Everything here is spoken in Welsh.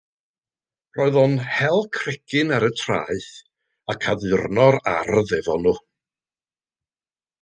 Roedd o'n hel cregyn ar y traeth ac addurno'r ardd hefo nhw.